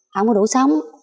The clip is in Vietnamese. không có đủ sống